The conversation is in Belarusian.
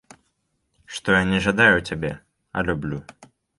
Што я не жадаю цябе, а люблю.